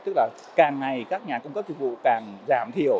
tức là càng ngày các nhà cung cấp dịch vụ càng giảm thiểu